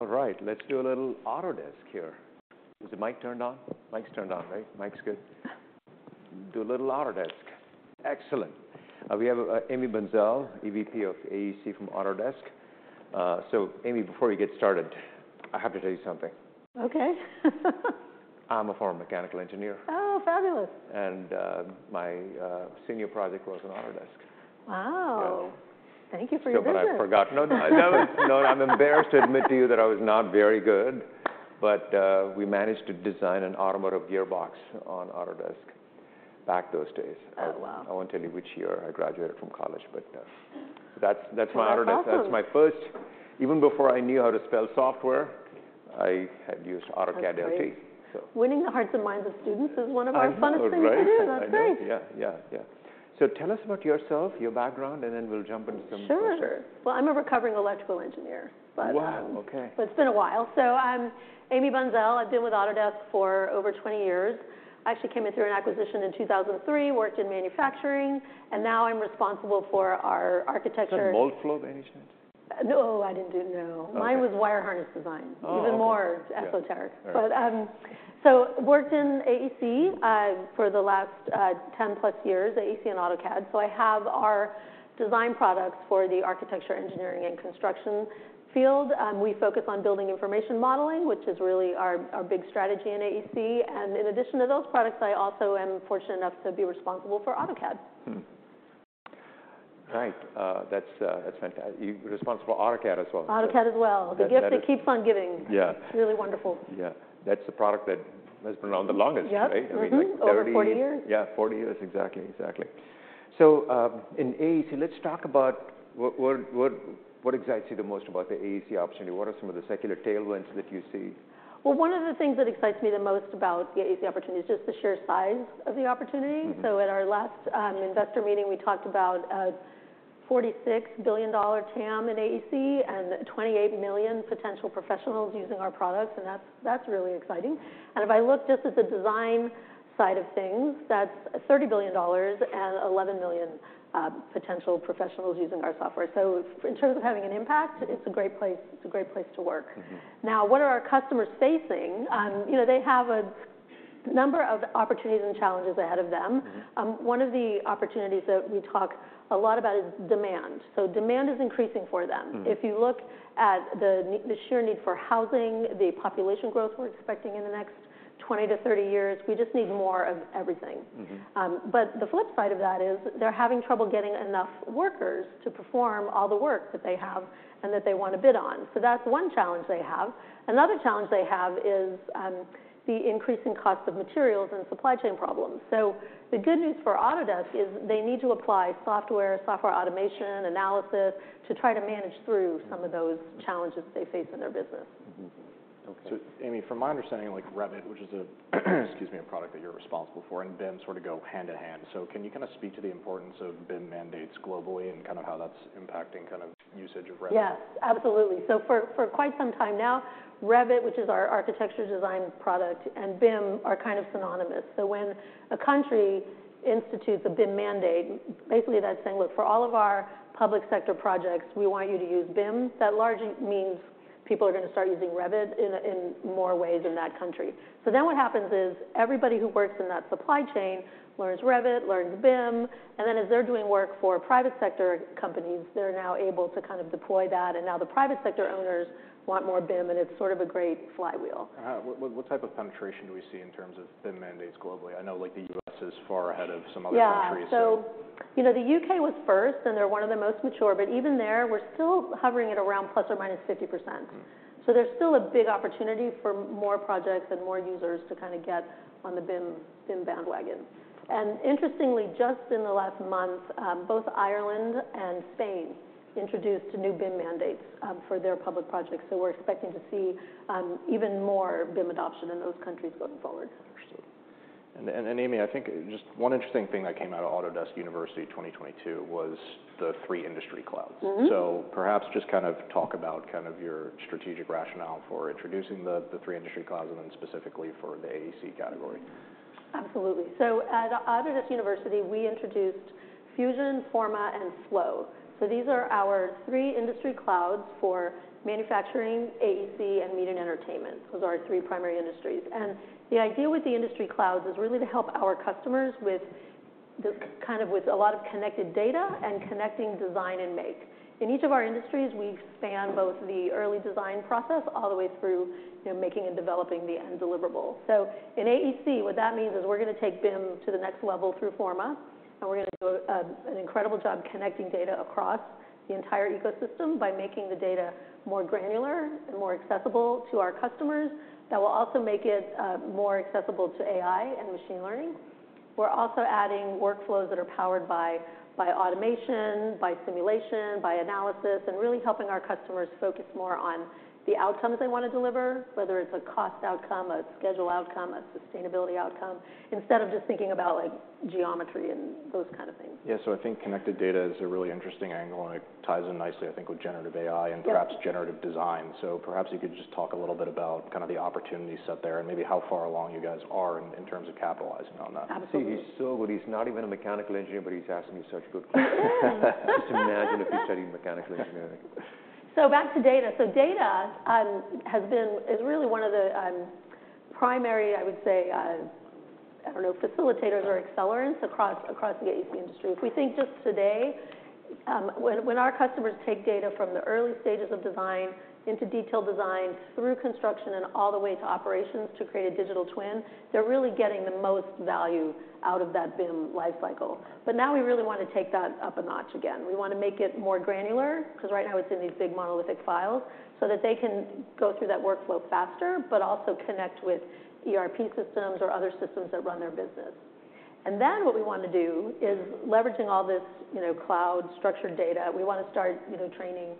All right, let's do a little Autodesk here. Is the mic turned on? Mic's turned on, right? Mic's good. Do a little Autodesk. Excellent! We have Amy Bunszel, EVP of AEC from Autodesk. So Amy, before you get started, I have to tell you something. Okay. I'm a former mechanical engineer. Oh, fabulous! My senior project was on Autodesk. Wow! Yeah. Thank you for your business. So but I've forgotten. No, no, no, I'm embarrassed to admit to you that I was not very good, but we managed to design an automotive gearbox on Autodesk back those days. Oh, wow. I won't tell you which year I graduated from college, but, that's, that's my Autodesk- Well, welcome. That's my first... Even before I knew how to spell software, I had used AutoCAD LT- That's great -so. Winning the hearts and minds of students is one of our- I know, right? -funnest things to do. I know. That's great. Yeah, yeah, yeah. So tell us about yourself, your background, and then we'll jump into some questions. Sure. Well, I'm a recovering electrical engineer, but- Wow, okay. But it's been a while. So I'm Amy Bunszel. I've been with Autodesk for over 20 years. I actually came in through an acquisition in 2003, worked in manufacturing, and now I'm responsible for our architecture- Is that Moldflow, by any chance? No. No. Okay. Mine was wire harness design. Oh, okay. Even more esoteric. Yeah. All right. So worked in AEC for the last 10+ years, AEC and AutoCAD. So I have our design products for the architecture, engineering, and construction field. We focus on building information modeling, which is really our big strategy in AEC. In addition to those products, I also am fortunate enough to be responsible for AutoCAD. Mm-hmm. Great. That's fantastic. You're responsible for AutoCAD as well? AutoCAD as well. That's better. The gift that keeps on giving. Yeah. It's really wonderful. Yeah. That's the product that has been around the longest- Yep... right? Mm-hmm. Over 40 years. Yeah, 40 years, exactly. Exactly. So, in AEC, let's talk about what excites you the most about the AEC opportunity? What are some of the secular tailwinds that you see? Well, one of the things that excites me the most about the AEC opportunity is just the sheer size of the opportunity. Mm-hmm. So at our last investor meeting, we talked about $46 billion TAM in AEC and 28 million potential professionals using our products, and that's, that's really exciting. And if I look just at the design side of things, that's $30 billion and 11 million potential professionals using our software. So in terms of having an impact, it's a great place, it's a great place to work. Mm-hmm. Now, what are our customers facing? You know, they have a number of opportunities and challenges ahead of them. Mm-hmm. One of the opportunities that we talk a lot about is demand. So demand is increasing for them. Mm-hmm. If you look at the need, the sheer need for housing, the population growth we're expecting in the next 20 years-30 years, we just need more of everything. Mm-hmm. But the flip side of that is they're having trouble getting enough workers to perform all the work that they have and that they want to bid on. So that's one challenge they have. Another challenge they have is the increasing cost of materials and supply chain problems. So the good news for Autodesk is they need to apply software, software automation, analysis, to try to manage through some of those challenges they face in their business. Mm-hmm. Okay, so, Amy, from my understanding, like Revit, which is a, excuse me, a product that you're responsible for, and BIM sort of go hand in hand. So can you kind of speak to the importance of BIM mandates globally and kind of how that's impacting kind of usage of Revit? Yes, absolutely. So for quite some time now, Revit, which is our architecture design product, and BIM are kind of synonymous. So when a country institutes a BIM mandate, basically that's saying, "Look, for all of our public sector projects, we want you to use BIM." That largely means people are gonna start using Revit in more ways in that country. So then what happens is everybody who works in that supply chain learns Revit, learns BIM, and then as they're doing work for private sector companies, they're now able to kind of deploy that, and now the private sector owners want more BIM, and it's sort of a great flywheel. What type of penetration do we see in terms of BIM mandates globally? I know, like the U.S. is far ahead of some other countries- Yeah -so. You know, the U.K. was first, and they're one of the most mature, but even there, we're still hovering at around ±50%. Mm. There's still a big opportunity for more projects and more users to kind of get on the BIM, BIM bandwagon. Interestingly, just in the last month, both Ireland and Spain introduced new BIM mandates for their public projects, so we're expecting to see even more BIM adoption in those countries going forward. Interesting. And, Amy, I think just one interesting thing that came out of Autodesk University 2022 was the three industry clouds. Mm-hmm. Perhaps just kind of talk about kind of your strategic rationale for introducing the three industry clouds and then specifically for the AEC category. Absolutely. So at Autodesk University, we introduced Fusion, Forma, and Flow. So these are our three industry clouds for manufacturing, AEC, and media and entertainment. Those are our three primary industries. And the idea with the industry clouds is really to help our customers with the, kind of with a lot of connected data and connecting design and make. In each of our industries, we span both the early design process all the way through, you know, making and developing the end deliverable. So in AEC, what that means is we're gonna take BIM to the next level through Forma, and we're gonna do an incredible job connecting data across the entire ecosystem by making the data more granular and more accessible to our customers. That will also make it more accessible to AI and machine learning. We're also adding workflows that are powered by automation, by simulation, by analysis, and really helping our customers focus more on the outcomes they want to deliver, whether it's a cost outcome, a schedule outcome, a sustainability outcome, instead of just thinking about, like, geometry and those kind of things. Yeah, so I think connected data is a really interesting angle, and it ties in nicely, I think, with generative AI- Yep and perhaps Generative Design. So perhaps you could just talk a little bit about kind of the opportunities set there and maybe how far along you guys are in, in terms of capitalizing on that. Absolutely. See, he's so good. He's not even a mechanical engineer, but he's asking such good questions.... mechanical engineering. So back to data. So data is really one of the primary, I would say, I don't know, facilitators or accelerants across the AEC industry. If we think just today, when our customers take data from the early stages of design into detailed design, through construction, and all the way to operations to create a digital twin, they're really getting the most value out of that BIM life cycle. But now we really want to take that up a notch again. We want to make it more granular, 'cause right now it's in these big monolithic files, so that they can go through that workflow faster, but also connect with ERP systems or other systems that run their business. And then, what we want to do is, leveraging all this, you know, cloud-structured data, we want to start, you know, training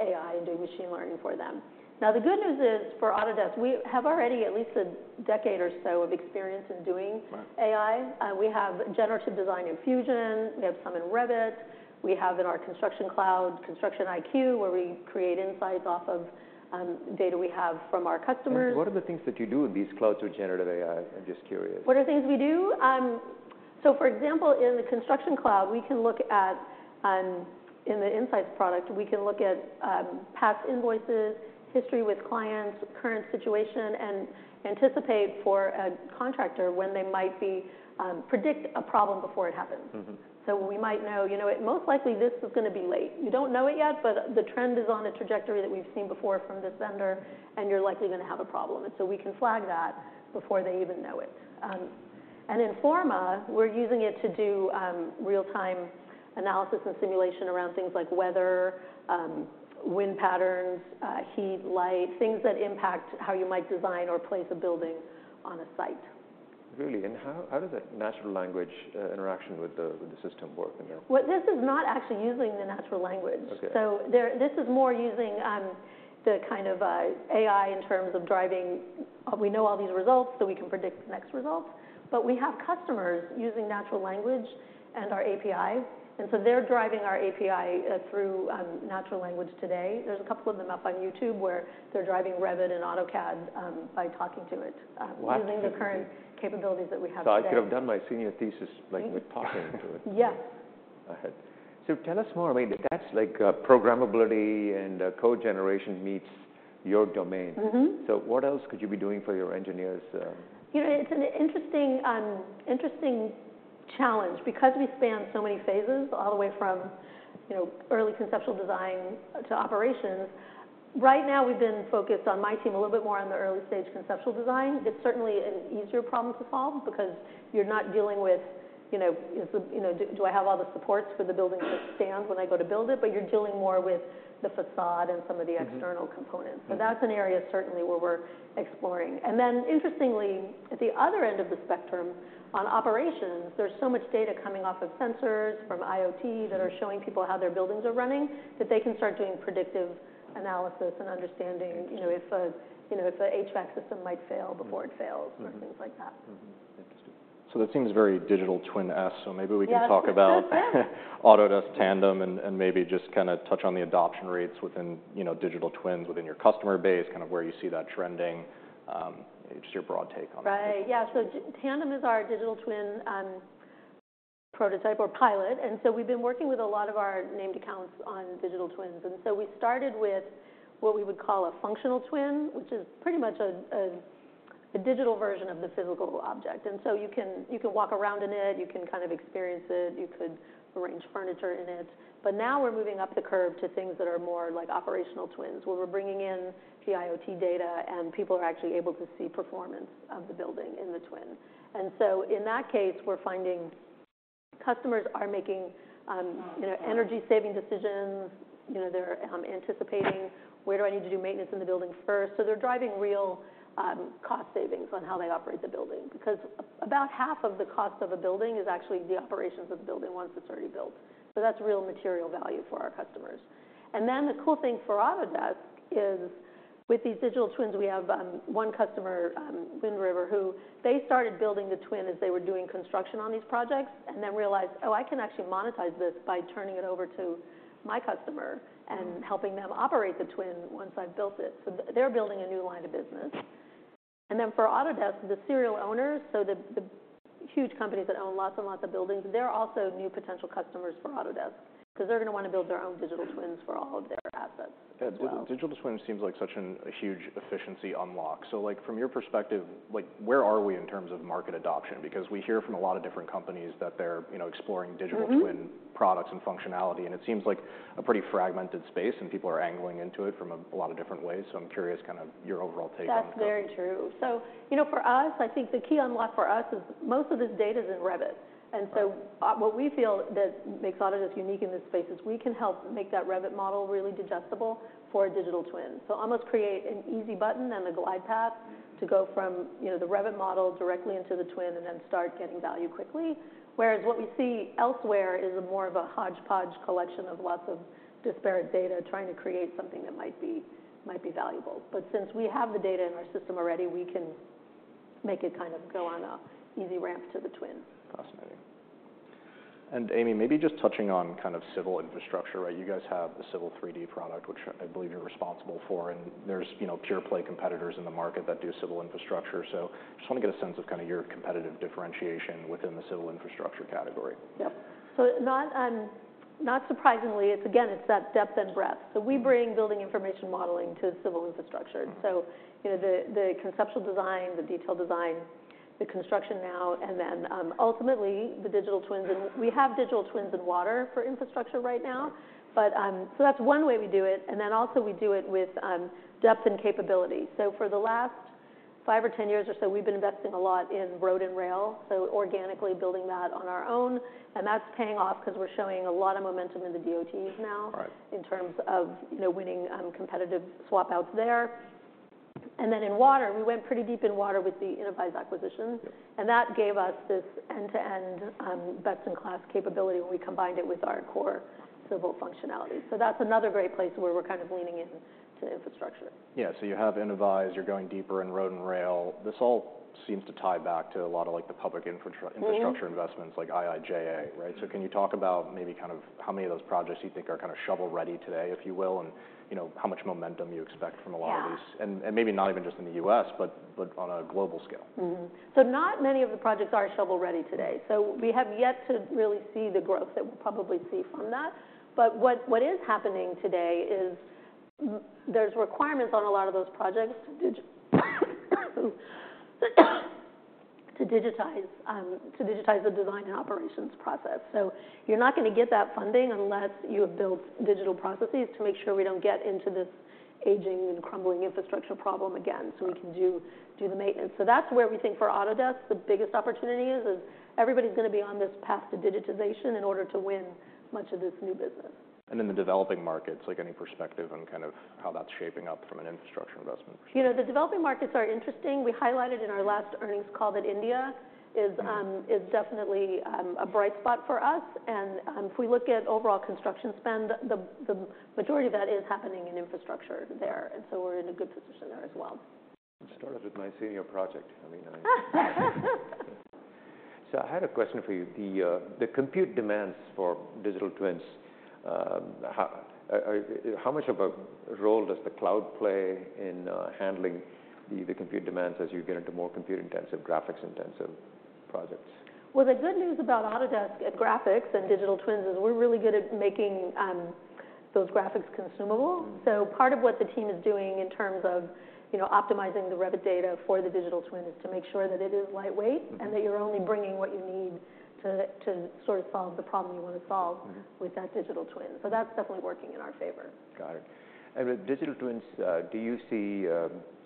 AI and doing machine learning for them. Now, the good news is, for Autodesk, we have already at least a decade or so of experience in doing- Right -AI. We have Generative Design in Fusion. We have some in Revit. We have in our Construction Cloud, Construction IQ, where we create insight off of, data we have from our customers. What are the things that you do in these clouds with generative AI? I'm just curious. What are the things we do? So for example, in the Construction Cloud, we can look at in the Insight product, we can look at past invoices, history with clients, current situation, and anticipate for a contractor when they might be predict a problem before it happens. Mm-hmm. So we might know, you know, most likely this is gonna be late. We don't know it yet, but the trend is on a trajectory that we've seen before from this vendor, and you're likely gonna have a problem. And so we can flag that before they even know it. And in Forma, we're using it to do real-time analysis and simulation around things like weather, wind patterns, heat, light, things that impact how you might design or place a building on a site. Really? And how does the natural language interaction with the system work, you know? Well, this is not actually using the natural language. Okay. This is more using the kind of AI in terms of driving, "We know all these results, so we can predict the next results." But we have customers using natural language and our API, and so they're driving our API through natural language today. There's a couple of them up on YouTube, where they're driving Revit and AutoCAD by talking to it- Wow! Using the current capabilities that we have today. I could have done my senior thesis, like, with talking to it? Yeah. Go ahead. So tell us more. I mean, that's like, programmability and, code generation meets your domain. Mm-hmm. So what else could you be doing for your engineers? You know, it's an interesting, interesting challenge. Because we span so many phases, all the way from, you know, early conceptual design to operations, right now, we've been focused on my team a little bit more on the early-stage conceptual design. It's certainly an easier problem to solve because you're not dealing with, you know, "Do I have all the supports for the building to stand when I go to build it?" But you're dealing more with the facade and some of the- Mm-hmm -external components. Mm-hmm. So that's an area certainly where we're exploring. And then, interestingly, at the other end of the spectrum, on operations, there's so much data coming off of sensors, from IoT, that are showing people how their buildings are running, that they can start doing predictive analysis and understanding- Interesting you know, if a, you know, if a HVAC system might fail before it fails. Mm-hmm or things like that. Mm-hmm. Interesting. So that seems very digital twin-esque, so maybe we can talk about- Yeah. Autodesk Tandem and maybe just kind of touch on the adoption rates within, you know, digital twins within your customer base, kind of where you see that trending, just your broad take on it. Right. Yeah, so Tandem is our digital twin prototype or pilot, and so we've been working with a lot of our named accounts on digital twins. And so we started with what we would call a functional twin, which is pretty much a digital version of the physical object. And so you can walk around in it. You can kind of experience it. You could arrange furniture in it. But now we're moving up the curve to things that are more like operational twins, where we're bringing in IoT data, and people are actually able to see performance of the building in the twin. And so in that case, we're finding customers are making, you know, energy-saving decisions. You know, they're anticipating, "Where do I need to do maintenance in the building first?" So they're driving real cost savings on how they operate the building, because about half of the cost of a building is actually the operations of the building once it's already built. So that's real material value for our customers. And then, the cool thing for Autodesk is, with these digital twins, we have one customer, Windover Construction, who they started building the twin as they were doing construction on these projects, and then realized, "Oh, I can actually monetize this by turning it over to my customer- Mm - and helping them operate the twin once I've built it." So they're building a new line of business. And then, for Autodesk, the serial owners, so the, the huge companies that own lots and lots of buildings, they're also new potential customers for Autodesk, 'cause they're gonna wanna build their own digital twins for all of their assets as well. Yeah, digital twin seems like such a huge efficiency unlock. So, like, from your perspective, like, where are we in terms of market adoption? Because we hear from a lot of different companies that they're, you know, exploring Digital- Mm-hmm twin products and functionality, and it seems like a pretty fragmented space, and people are angling into it from a lot of different ways. So I'm curious, kind of, your overall take on the topic. That's very true. So, you know, for us, I think the key unlock for us is most of this data is in Revit. Right. What we feel that makes Autodesk unique in this space is we can help make that Revit model really digestible for a digital twin. Almost create an easy button and a glide path to go from, you know, the Revit model directly into the twin, and then start getting value quickly. Whereas, what we see elsewhere is more of a hodgepodge collection of lots of disparate data, trying to create something that might be valuable. Since we have the data in our system already, we can make it kind of go on an easy ramp to the twin. Fascinating. And Amy, maybe just touching on kind of civil infrastructure, right? You guys have the Civil 3D product, which I believe you're responsible for, and there's, you know, pure-play competitors in the market that do civil infrastructure. So just want to get a sense of kind of your competitive differentiation within the civil infrastructure category. Yep. So not, not surprisingly, it's again, it's that depth and breadth. So we bring building information modeling to civil infrastructure. So, you know, the conceptual design, the detailed design, the construction now, and then, ultimately, the digital twins. And we have digital twins in water for infrastructure right now, but, so that's one way we do it, and then also we do it with, depth and capability. So for the last five years or 10 years or so, we've been investing a lot in road and rail, so organically building that on our own, and that's paying off because we're showing a lot of momentum in the DOTs now. Right In terms of, you know, winning competitive swap outs there. And then in water, we went pretty deep in water with the Innovyze acquisition. Yeah. That gave us this end-to-end, best-in-class capability, when we combined it with our core civil functionality. That's another great place where we're kind of leaning into infrastructure. Yeah. So you have Innovyze, you're going deeper in road and rail. This all seems to tie back to a lot of, like, the public infrastructure- Mm-hmm infrastructure investments like IIJA, right? So can you talk about maybe kind of how many of those projects you think are kind of shovel-ready today, if you will, and, you know, how much momentum you expect from a lot of these? Yeah. And maybe not even just in the U.S., but on a global scale. Mm-hmm. So not many of the projects are shovel-ready today, so we have yet to really see the growth that we'll probably see from that. But what is happening today is there's requirements on a lot of those projects to digitize the design and operations process. So you're not gonna get that funding unless you have built digital processes to make sure we don't get into this aging and crumbling infrastructure problem again- Right So we can do the maintenance. So that's where we think for Autodesk, the biggest opportunity is everybody's gonna be on this path to digitization in order to win much of this new business. In the developing markets, like, any perspective on kind of how that's shaping up from an infrastructure investment perspective? You know, the developing markets are interesting. We highlighted in our last earnings call that India is- Mm-hmm... is definitely a bright spot for us. And, if we look at overall construction spend, the majority of that is happening in infrastructure there, and so we're in a good position there as well. It started with my senior project. I mean, So I had a question for you. The compute demands for digital twins, how much of a role does the cloud play in handling the compute demands as you get into more compute-intensive, graphics-intensive projects? Well, the good news about Autodesk at graphics and digital twins is we're really good at making those graphics consumable. Mm-hmm. So, part of what the team is doing in terms of, you know, optimizing the Revit data for the digital twin, is to make sure that it is lightweight. Mm-hmm... and that you're only bringing what you need to, to sort of solve the problem you want to solve- Mm-hmm With that digital twin. So that's definitely working in our favor. Got it. And with digital twins, do you see,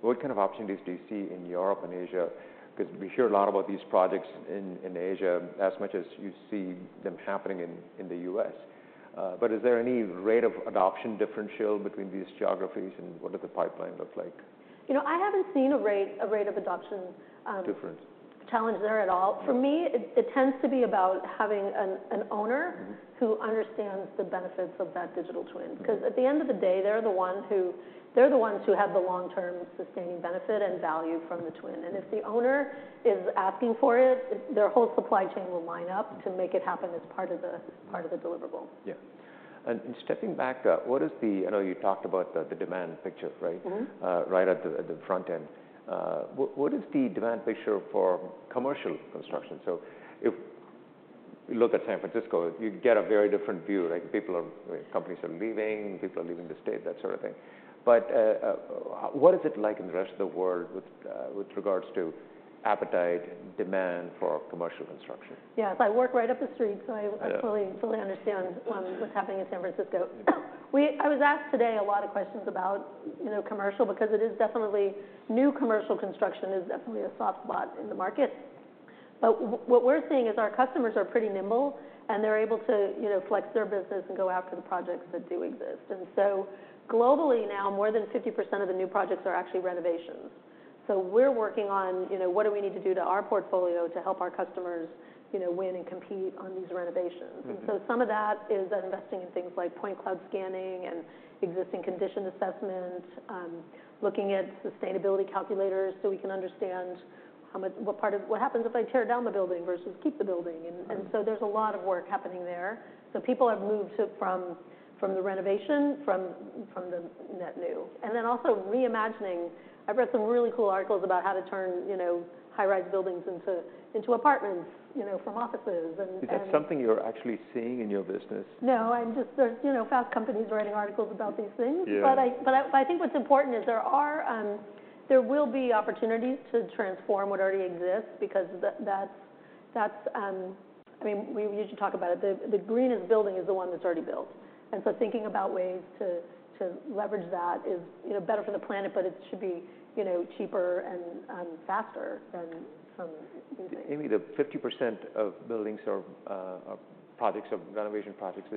What kind of opportunities do you see in Europe and Asia? Because we hear a lot about these projects in Asia, as much as you see them happening in the U.S. But is there any rate of adoption differential between these geographies, and what does the pipeline look like? You know, I haven't seen a rate, a rate of adoption- Difference challenge there at all. Yeah. For me, it tends to be about having an owner- Mm-hmm —who understands the benefits of that digital twin. Mm-hmm. Because at the end of the day, they're the ones who have the long-term sustaining benefit and value from the twin, and if the owner is asking for it, their whole supply chain will line up to make it happen as part of the, part of the deliverable. Yeah. And stepping back, what is the—I know you talked about the demand picture, right? Mm-hmm. Right at the front end. What is the demand picture for commercial construction? So if you look at San Francisco, you get a very different view. Like, people are, companies are leaving, people are leaving the state, that sort of thing. But, what is it like in the rest of the world with regards to appetite, demand for commercial construction? Yes, I work right up the street, so I- Yeah... I fully, fully understand what's happening in San Francisco. I was asked today a lot of questions about, you know, commercial, because it is definitely... New commercial construction is definitely a soft spot in the market. But what we're seeing is our customers are pretty nimble, and they're able to, you know, flex their business and go after the projects that do exist. And so globally now, more than 50% of the new projects are actually renovations. So we're working on, you know, what do we need to do to our portfolio to help our customers, you know, win and compete on these renovations? Mm-hmm. Some of that is investing in things like point cloud scanning and existing condition assessment, looking at sustainability calculators so we can understand how much—what happens if I tear down the building versus keep the building- Right... and so there's a lot of work happening there. So people have moved to the renovation from the net new. And then also reimagining. I've read some really cool articles about how to turn, you know, high-rise buildings into apartments, you know, from offices and- Is that something you're actually seeing in your business? No, I'm just, you know, fast companies writing articles about these things. Yeah. But I think what's important is there will be opportunities to transform what already exists because that's, I mean, we usually talk about it, the greenest building is the one that's already built. And so thinking about ways to leverage that is, you know, better for the planet, but it should be, you know, cheaper and faster than some new things. Amy, the 50% of buildings or of projects, of renovation projects,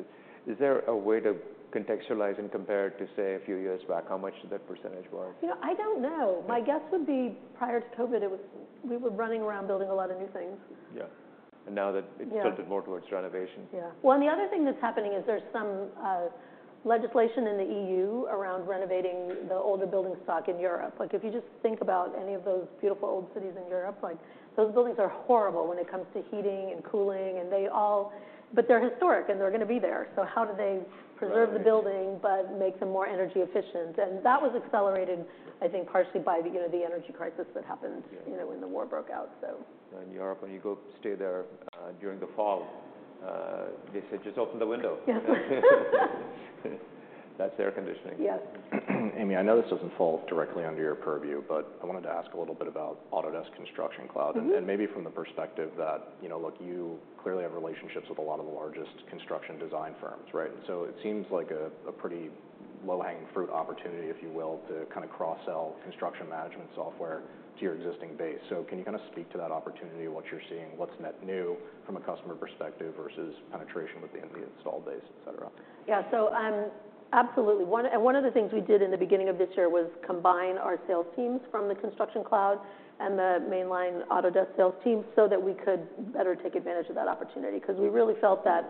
is there a way to contextualize and compare it to, say, a few years back, how much that percentage was? You know, I don't know. Yeah. My guess would be prior to COVID, it was... We were running around building a lot of new things. Yeah. And now that- Yeah It's tilted more towards renovation. Yeah. Well, and the other thing that's happening is there's some legislation in the EU around renovating the older building stock in Europe. Like, if you just think about any of those beautiful old cities in Europe, like, those buildings are horrible when it comes to heating and cooling, and they all... But they're historic, and they're gonna be there. So how do they- Right preserve the building but make them more energy efficient? And that was accelerated, I think, partially by the, you know, the energy crisis that happened- Yeah You know, when the war broke out, so. In Europe, when you go stay there, during the fall, they say, "Just open the window. Yeah.... That's air conditioning? Yes. Amy, I know this doesn't fall directly under your purview, but I wanted to ask a little bit about Autodesk Construction Cloud. Mm-hmm. Maybe from the perspective that, you know, look, you clearly have relationships with a lot of the largest construction design firms, right? So it seems like a pretty low-hanging fruit opportunity, if you will, to kinda cross-sell construction management software to your existing base. So can you kinda speak to that opportunity, what you're seeing, what's net new from a customer perspective versus penetration within the installed base, et cetera? Yeah. So, absolutely. And one of the things we did in the beginning of this year was combine our sales teams from the Construction Cloud and the mainline Autodesk sales team, so that we could better take advantage of that opportunity. 'Cause we really felt that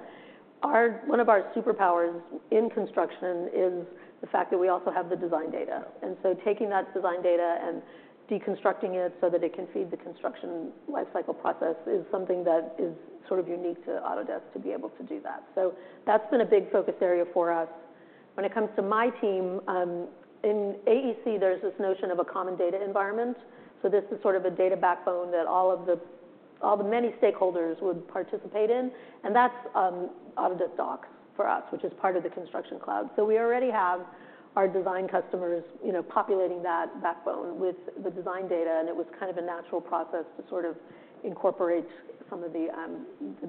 our one of our superpowers in construction is the fact that we also have the design data. And so taking that design data and deconstructing it so that it can feed the construction lifecycle process, is something that is sort of unique to Autodesk to be able to do that. So that's been a big focus area for us. When it comes to my team, in AEC, there's this notion of a common data environment. So this is sort of a data backbone that all of the, all the many stakeholders would participate in, and that's Autodesk for us, which is part of the Construction Cloud. So we already have our design customers, you know, populating that backbone with the design data, and it was kind of a natural process to sort of incorporate some of the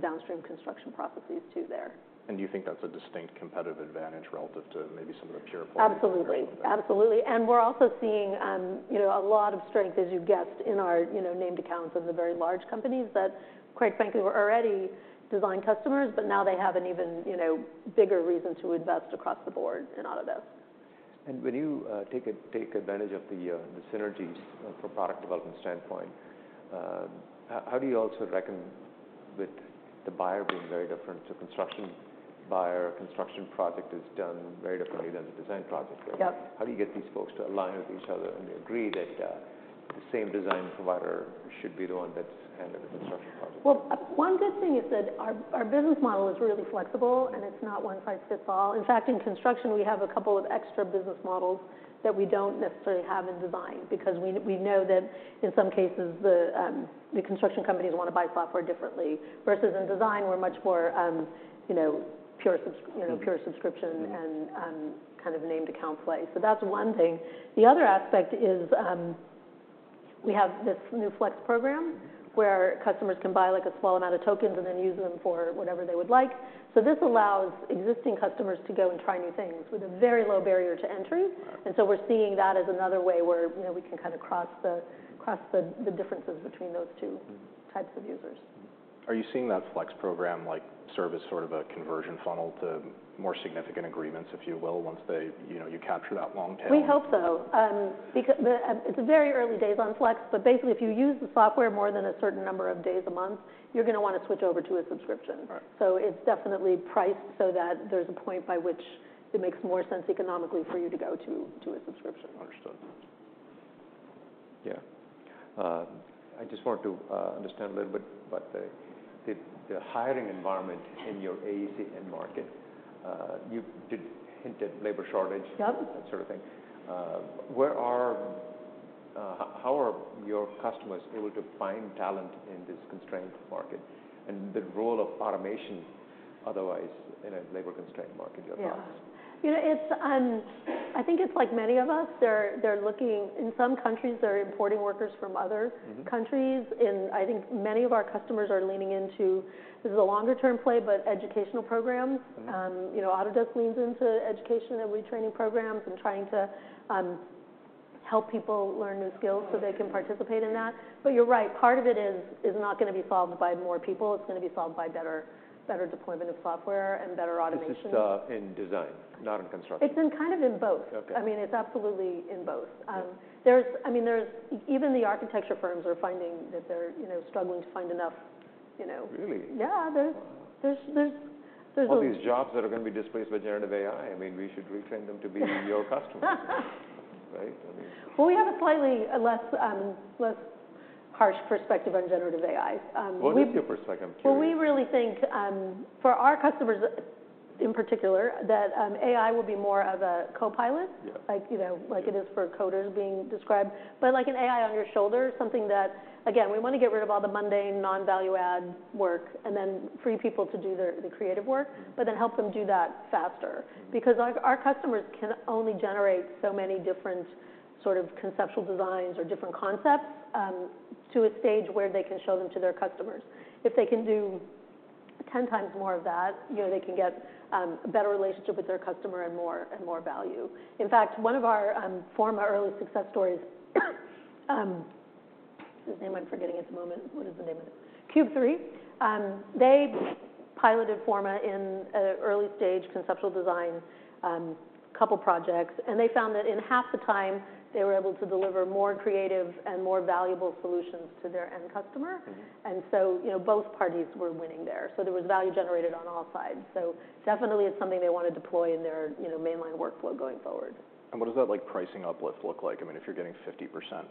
downstream construction processes, too, there. Do you think that's a distinct competitive advantage relative to maybe some of the pure play? Absolutely. Absolutely. And we're also seeing, you know, a lot of strength, as you guessed, in our, you know, named accounts of the very large companies that, quite frankly, were already design customers, but now they have an even, you know, bigger reason to invest across the board in Autodesk. When you take advantage of the synergies from a product development standpoint, how do you also reckon with the buyer being very different? The construction buyer, construction project is done very differently than the design project. Yep. How do you get these folks to align with each other, and they agree that the same design provider should be the one that's handling the construction project? Well, one good thing is that our business model is really flexible, and it's not one-size-fits-all. In fact, in construction, we have a couple of extra business models that we don't necessarily have in design, because we know that in some cases, the construction companies wanna buy software differently. Versus in design, we're much more, you know, pure subsc-- you know, pure subscription- Mm-hmm... and, kind of named account play. So that's one thing. The other aspect is, we have this new Flex program, where customers can buy, like, a small amount of tokens and then use them for whatever they would like. So this allows existing customers to go and try new things with a very low barrier to entry. Right. We're seeing that as another way where, you know, we can kinda cross the differences between those two- Mm-hmm - types of users. Are you seeing that Flex program, like, serve as sort of a conversion funnel to more significant agreements, if you will, once they, you know, you capture that long tail? We hope so. It's very early days on Flex, but basically, if you use the software more than a certain number of days a month, you're gonna wanna switch over to a subscription. Right. So it's definitely priced so that there's a point by which it makes more sense economically for you to go to, to a subscription. Understood. Yeah. I just want to understand a little bit about the hiring environment in your AEC end market. You did hint at labor shortage. Yep - that sort of thing. How are your customers able to find talent in this constrained market? And the role of automation, otherwise, in a labor-constrained market, your thoughts. Yeah. You know, it's, I think it's like many of us, they're looking-- In some countries, they're importing workers from other- Mm-hmm countries. I think many of our customers are leaning into, this is a longer-term play, but educational programs. Mm-hmm. You know, Autodesk leans into education and retraining programs, and trying to help people learn new skills so they can participate in that. But you're right, part of it is not gonna be solved by more people, it's gonna be solved by better deployment of software and better automation. This is, in design, not in construction? It's in, kind of in both. Okay. I mean, it's absolutely in both. Yeah. I mean, there's even the architecture firms are finding that they're, you know, struggling to find enough, you know- Really? Yeah, there's All these jobs that are gonna be displaced by generative AI, I mean, we should retrain them to be your customers, right? I mean... Well, we have a slightly less harsh perspective on generative AI. We- What is your perspective? I'm curious. Well, we really think, for our customers in particular, that AI will be more of a co-pilot- Yeah like, you know, like it is for coders being described. But like an AI on your shoulder, something that... Again, we want to get rid of all the mundane, non-value-add work, and then free people to do their, the creative work- Mm-hmm But then help them do that faster. Mm-hmm. Because our customers can only generate so many different sort of conceptual designs or different concepts to a stage where they can show them to their customers. If they can do ten times more of that, you know, they can get a better relationship with their customer and more, and more value. In fact, one of our former early success stories, his name I'm forgetting at the moment. What is the name of it? CUBE 3. They piloted Forma in an early-stage conceptual design couple projects, and they found that in half the time, they were able to deliver more creative and more valuable solutions to their end customer. Mm-hmm. And so, you know, both parties were winning there. So there was value generated on all sides. So definitely it's something they want to deploy in their, you know, mainline workflow going forward. What does that, like, pricing uplift look like? I mean, if you're getting 50%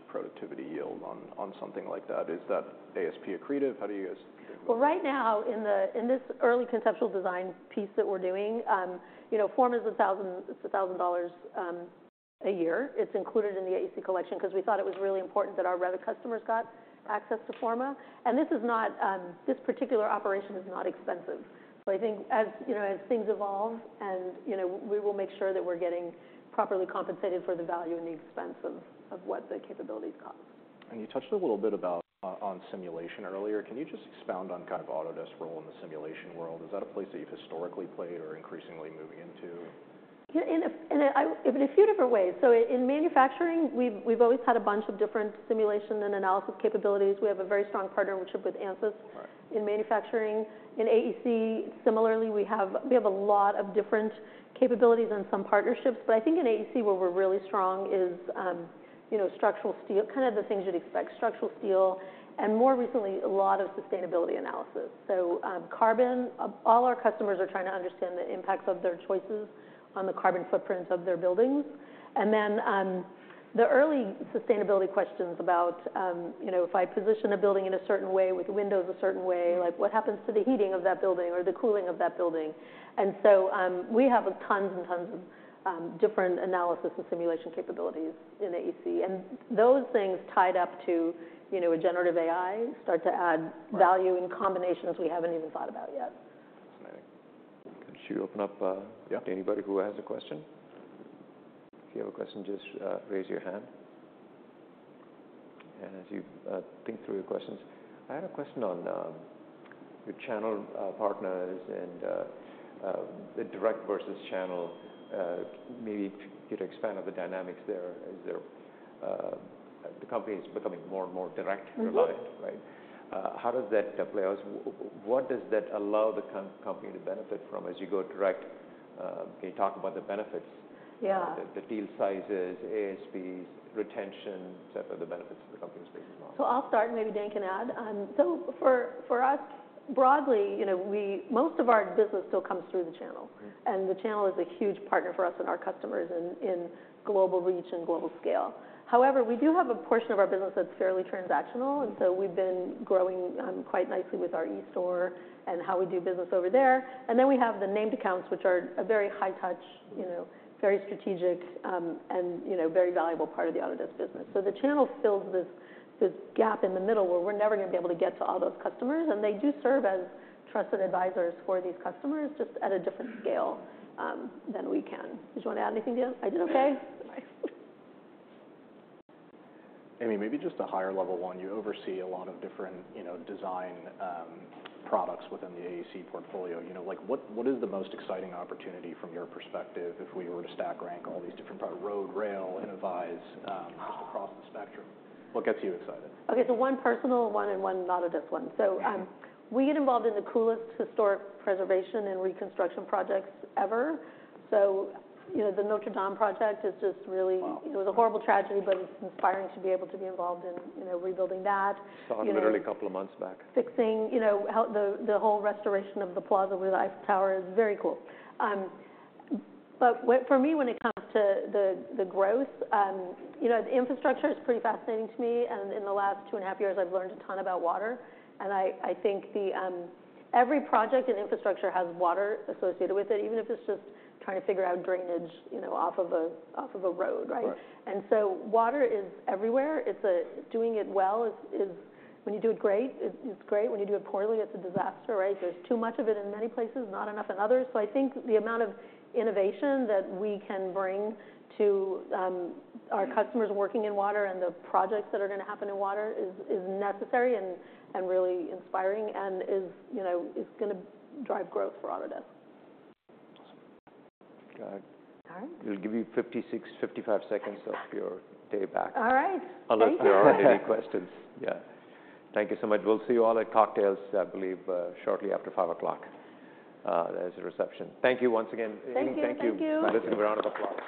productivity yield on, on something like that, is that ASP accretive? How do you guys think about that? Well, right now, in this early conceptual design piece that we're doing, you know, Forma's $1,000, it's $1,000 a year. It's included in the AEC Collection, 'cause we thought it was really important that our Revit customers got access to Forma. And this is not, this particular operation is not expensive. So I think as, you know, as things evolve and, you know, we will make sure that we're getting properly compensated for the value and the expense of what the capabilities cost. You touched a little bit on simulation earlier. Can you just expound on kind of Autodesk's role in the simulation world? Is that a place that you've historically played or are increasingly moving into? Yeah, in a few different ways. So in manufacturing, we've always had a bunch of different simulation and analysis capabilities. We have a very strong partnership with Ansys- Right in manufacturing. In AEC, similarly, we have, we have a lot of different capabilities and some partnerships, but I think in AEC, where we're really strong is, you know, structural steel, kind of the things you'd expect, structural steel, and more recently, a lot of sustainability analysis. So, carbon, all our customers are trying to understand the impacts of their choices on the carbon footprints of their buildings. And then, the early sustainability questions about, you know, if I position a building in a certain way with the windows a certain way- Mm-hmm... like, what happens to the heating of that building or the cooling of that building? And so, we have tons and tons of different analysis and simulation capabilities in AEC. And those things tied up to, you know, a generative AI, start to add- Right value in combinations we haven't even thought about yet. Interesting. Could you open up? Yeah... to anybody who has a question? If you have a question, just raise your hand. And as you think through your questions... I had a question on your channel partners, and the direct versus channel. Maybe could you expand on the dynamics there? Is there the company is becoming more and more direct- Mm-hmm... relied, right? How does that play out? What does that allow the company to benefit from as you go direct? Can you talk about the benefits- Yeah... the deal sizes, ASPs, retention, et cetera, the benefits the company is thinking about? I'll start, and maybe Dan can add. For us, broadly, you know, most of our business still comes through the channel. Mm-hmm. The channel is a huge partner for us and our customers in global reach and global scale. However, we do have a portion of our business that's fairly transactional, and so we've been growing quite nicely with our e-store and how we do business over there. Then we have the named accounts, which are a very high touch, you know, very strategic, and, you know, very valuable part of the Autodesk business. So the channel fills this gap in the middle, where we're never gonna be able to get to all those customers, and they do serve as trusted advisors for these customers, just at a different scale than we can. Did you want to add anything, Dan? I did okay? Amy, maybe just a higher level one. You oversee a lot of different, you know, design, products within the AEC portfolio. You know, like, what, what is the most exciting opportunity from your perspective if we were to stack rank all these different product, road, rail, Innovyze, Oh... just across the spectrum, what gets you excited? Okay, so one personal one and one not a diff one. Yeah. So, we get involved in the coolest historic preservation and reconstruction projects ever. So, you know, the Notre Dame project is just really- Wow... it was a horrible tragedy, but it's inspiring to be able to be involved in, you know, rebuilding that, you know- Saw it literally a couple of months back.... fixing, you know, how the whole restoration of the Plaza with the Eiffel Tower is very cool. But for me, when it comes to the growth, you know, the infrastructure is pretty fascinating to me. And in the last two and a half years, I've learned a ton about water, and I think... Every project in infrastructure has water associated with it, even if it's just trying to figure out drainage, you know, off of a road, right? Right. Water is everywhere. Doing it well is when you do it great, it's great. When you do it poorly, it's a disaster, right? There's too much of it in many places, not enough in others. So I think the amount of innovation that we can bring to our customers working in water and the projects that are gonna happen in water is necessary and really inspiring, you know, gonna drive growth for Autodesk. Got it. All right. We'll give you 56, 55 seconds of your day back. All right. Thank you. Unless there are any questions. Yeah. Thank you so much. We'll see you all at cocktails, I believe, shortly after 5:00 P.M. There's a reception. Thank you once again. Thank you. Thank you. Thank you. Let's give a round of applause.